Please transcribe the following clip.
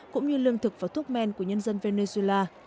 cũng như lương thực và thuốc men của nhân dân venezuela